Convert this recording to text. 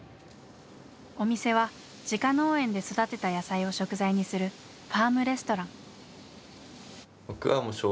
お店は自家農園で育てた野菜を食材にするファームレストラン。